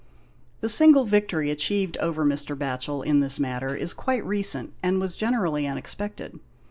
The single victory achieved over Mr. Batchel in this matter is quite recent, and was generally unexpected.